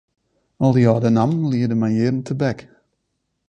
Al dy âlde nammen liede my jierren tebek.